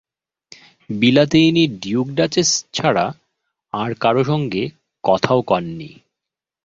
বিলাতে ইনি duke duchess ছাড়া আর কারো সঙ্গে কথাও কন নি।